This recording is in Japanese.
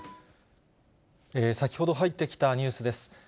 先ほど入ってきたニュースです。